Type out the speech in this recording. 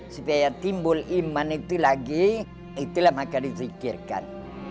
supaya timbul iman itu lagi itulah maka disikirkan